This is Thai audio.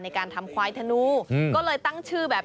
ในการทำควายธนูก็เลยตั้งชื่อแบบ